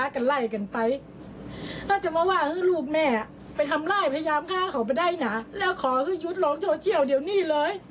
ก็จะได้นะแล้วขอยุดล้องโชว์เที่ยวเดี๋ยวนี้เลย